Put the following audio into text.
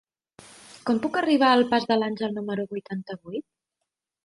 Com puc arribar al pas de l'Àngel número vuitanta-vuit?